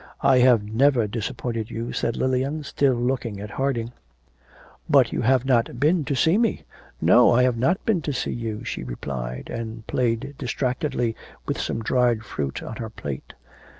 'I have never disappointed you,' said Lilian, still looking at Harding. 'But you have not been to see me.' 'No; I've not been to see you,' she replied, and played distractedly with some dried fruit on her plate.